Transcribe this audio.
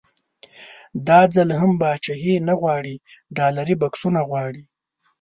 دا ځل هم پاچاهي نه غواړي ډالري بکسونه غواړي.